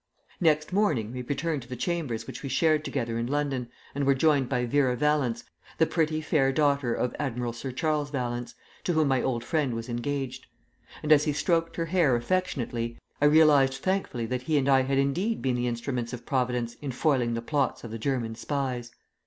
Next morning we returned to the chambers which we shared together in London, and were joined by Vera Vallance, the pretty fair daughter of Admiral Sir Charles Vallance, to whom my old friend was engaged. And, as he stroked her hair affectionately, I realised thankfully that he and I had indeed been the instruments of Providence in foiling the plots of the German spies!